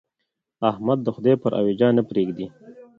احمد د خدای پر اوېجه نه پرېږدي.